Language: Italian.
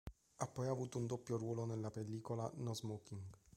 Ha poi avuto un doppio ruolo nella pellicola "No Smoking...!